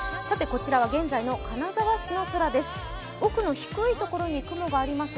こちらは現在の金沢市の空です。